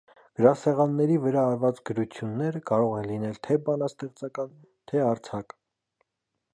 Գրասեղանների վրա արված գրությունները կարող են լինել թե՛ բանաստեղծական, թե՛ արձակ։